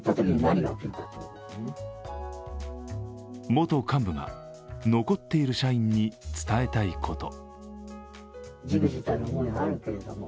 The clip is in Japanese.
元幹部が残っている社員に伝えたいこと。